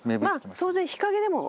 まあ当然日陰でも。